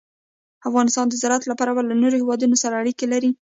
افغانستان د زراعت له پلوه له نورو هېوادونو سره اړیکې لري.